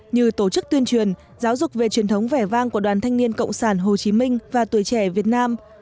như tổ chức tuyên truyền giáo dục về truyền thống vẻ vang của đoàn thanh niên cộng sản hồ chí minh và tuổi trẻ việt nam